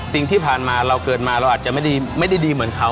สิ่งที่ผ่านมาเราเกิดมาเราอาจจะไม่ได้ดีเหมือนเขา